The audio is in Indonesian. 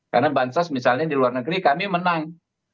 karena bansos misalnya di luar negeri kami menang